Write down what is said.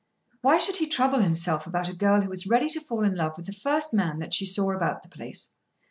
Why should he trouble himself about a girl who was ready to fall in love with the first man that she saw about the place?